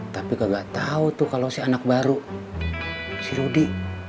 tapi kagak tahu tuh kalau si anak baru sih rudy